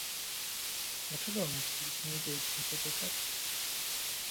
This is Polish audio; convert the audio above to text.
Dlaczego musieliśmy udzielić im pożyczek?